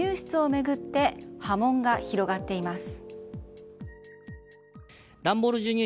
その授乳室を巡って波紋が広がっています。